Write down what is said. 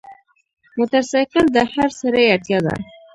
موټرسایکل د هر سړي اړتیا ده.